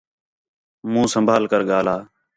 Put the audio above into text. مُون٘ھ سنبھال کر ڳاہلا